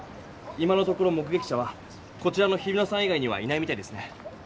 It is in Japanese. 今のところ目げき者はこちらの日比野さん以外にはいないみたいですね。